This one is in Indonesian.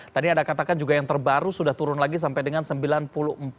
tadi ada katakan juga yang terbaru sudah turun lagi sampai dengan rp sembilan puluh tiga